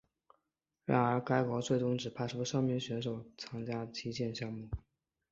然而该国最终只派出三名选手参加击剑项目。